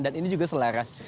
dan ini juga selaras